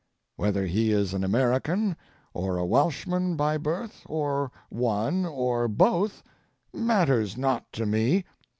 Whether he is an American or a Welshman by birth, or one, or both, matters not to me.